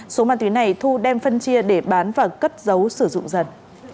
số ma túy này thu đem phân chia để bán và cất dấu sử dụng dần